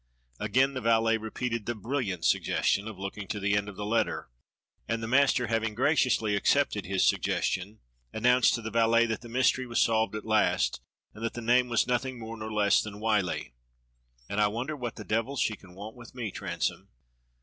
'' Again the valet repeated the brilliant suggestion of looking to the end of the letter, and the master, having graciously accepted his suggestion, announced to the A MILITARY LADY KILLER 267 valet that the mystery was solved at last and that the name was nothing more nor less than Why Hie. "And I wonder what the devil she can want with me, Transome?"